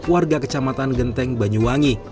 warga kecamatan genteng banyuwangi